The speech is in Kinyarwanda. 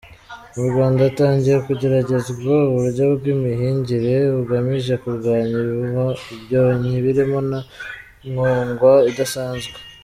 Mu Rwanda hatangiye kugeragezwa uburyo bw’imihingire bugamije kurwanya ibyonnyi birimo na nkongwa idasanzwe.